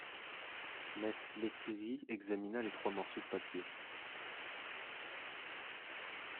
Mess Lethierry examina les trois morceaux de papier.